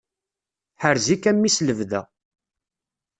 Ḥerz-ik a mmi s lebda.